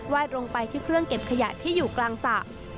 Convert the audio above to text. ลงไปที่เครื่องเก็บขยะที่อยู่กลางสระ